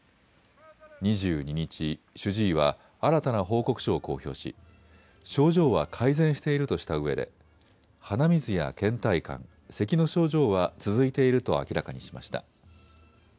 ２２日、主治医は新たな報告書を公表し症状は改善しているとしたうえで鼻水やけん怠感、せきの症状は続いていると明らかにしました。